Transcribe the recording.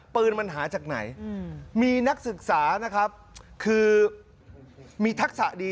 ปืนมันหาจากไหนมีนักศึกษานะครับคือมีทักษะดี